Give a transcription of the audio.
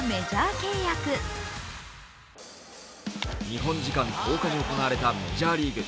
日本時間１０日に行われたメジャーリーグ